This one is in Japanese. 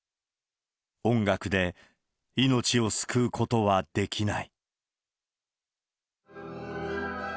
音楽で命を救うことはできない。